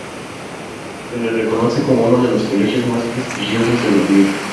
Se le reconoce como uno de los colegios más prestigiosos de Berlín.